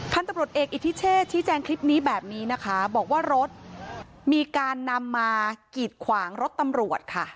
พันธุ์ตำรวจเอกอิทธิเชษชี้แจงคลิปนี้แบบนี้นะคะบอกว่ารถมีการนำมากีดขวางรถตำรวจค่ะ